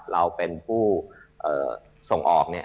เราเป็นผู้ส่งออกเนี่ย